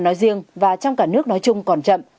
nói riêng và trong cả nước nói chung còn chậm